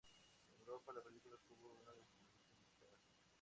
En Europa, la película tuvo una distribución dispar.